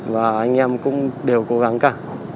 và anh em cũng đều cố gắng cả